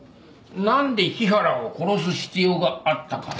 なんで日原を殺す必要があったかだ。